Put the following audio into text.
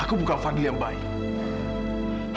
aku buka fadil yang baik